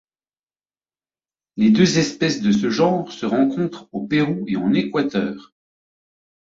Les deux espèces de ce genre se rencontrent au Pérou et en Équateur.